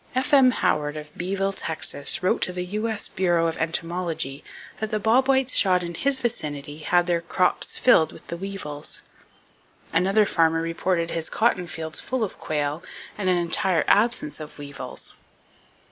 "F.M. Howard, of Beeville, Texas, wrote to the U.S. Bureau of Entomology, that the bob whites shot in his vicinity had their crops filled with the weevils. Another farmer reported his cotton fields full of quail, and an entire absence of weevils."